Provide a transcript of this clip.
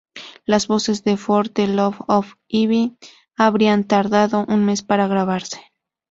Las voces de "For the Love of Ivy" habrían tardado un mes para grabarse.